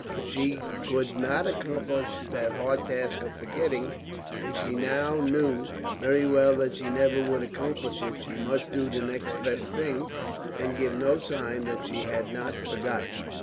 If she could not accomplish that hard task of forgetting and she now knew very well that she never would accomplish it she must do the next best thing, and give no sign that she had not forgotten.